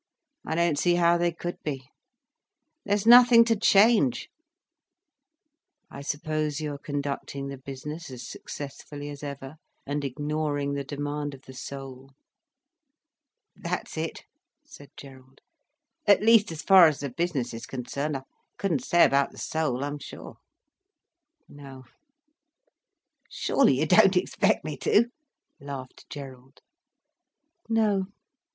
I don't see how they could be. There's nothing to change." "I suppose you are conducting the business as successfully as ever, and ignoring the demand of the soul." "That's it," said Gerald. "At least as far as the business is concerned. I couldn't say about the soul, I'am sure." "No." "Surely you don't expect me to?" laughed Gerald. "No.